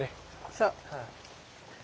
そう。